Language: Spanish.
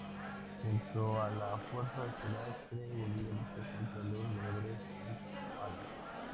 Junto a la Fuerza Estelar Kree, volvió a luchar contra los Vengadores en Hala.